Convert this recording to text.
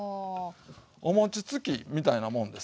お餅つきみたいなもんです。